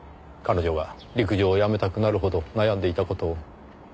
彼女が陸上をやめたくなるほど悩んでいた事を。